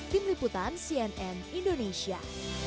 tim liputan cnn indonesia